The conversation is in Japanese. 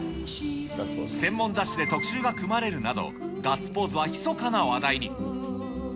専門雑誌で特集が組まれるなど、ガッツポーズはひそかな話題に。